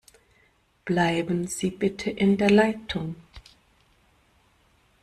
Bleiben Sie bitte in der Leitung.